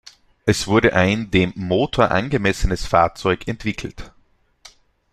Es wurde ein dem Motor angemessenes Fahrzeug entwickelt.